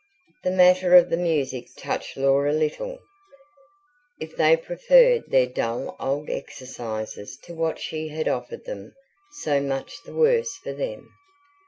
The matter of the music touched Laura little: if they preferred their dull old exercises to what she had offered them, so much the worse for them.